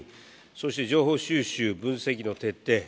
そして情報収集、分析の徹底。